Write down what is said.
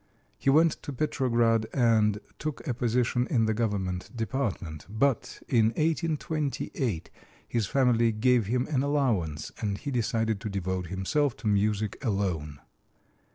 He went to Petrograd and took a position in the government department; but in 1828 his family gave him an allowance and he decided to devote himself to music alone.